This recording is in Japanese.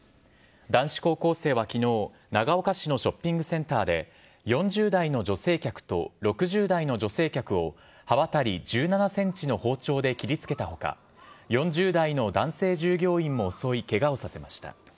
男子高校生はきのう、長岡市のショッピングセンターで、４０代の女性客と６０代の女性客を、刃渡り１７センチの包丁で切りつけたほか、４０代の男性従業員も襲い、けがをさせました。